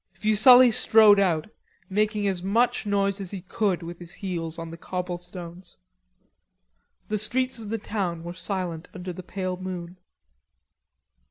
Fuselli strode out, making as much noise as he could with his heels on the cobble stones. The streets of the town were silent under the pale moon.